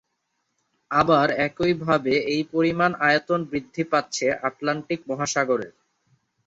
আবার একইভাবে এই পরিমাণ আয়তন বৃদ্ধি পাচ্ছে আটলান্টিক মহাসাগরের।